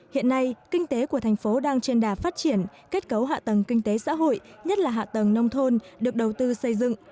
hiện nay kinh tế của thành phố đang trên đà phát triển kết cấu hạ tầng kinh tế xã hội nhất là hạ tầng nông thôn được đầu tư xây dựng